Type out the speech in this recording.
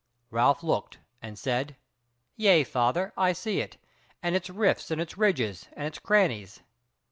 Ralph looked and said: "Yea, father, I see it, and its rifts and its ridges, and its crannies."